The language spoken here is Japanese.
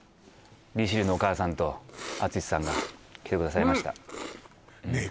利しりのお母さんと篤史さんが来てくださいましたねえ